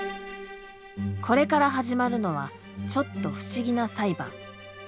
これから始まるのはちょっと不思議な裁判。